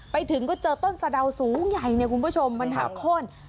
ไปถึงก็เจอต้นสะดาวสูงใหญ่เนี่ยคุณผู้ชมมันหักโค้น